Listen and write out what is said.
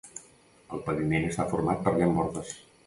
El paviment està format per llambordes.